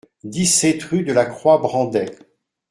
dix-sept rue de la Croix Brandet